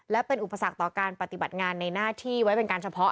และเป็นอุปสรรคต่อการปฏิบัติงานในหน้าที่ไว้เป็นการเฉพาะ